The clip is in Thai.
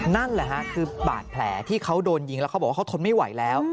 นั่นแหละฮะคือบาดแผลที่เขาโดนยิงแล้วเขาบอกว่าเขาทนไม่ไหวแล้ว